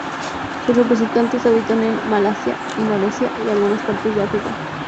Sus representantes habitan en Malasia, Indonesia y algunas partes de África.